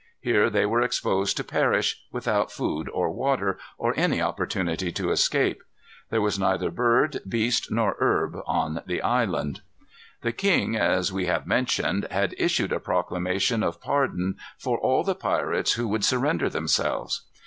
Here they were exposed to perish, without food or water, or any opportunity to escape. There was neither bird, beast, nor herbs on the island. The king, as we have mentioned, had issued a proclamation of pardon for all the pirates who would surrender themselves.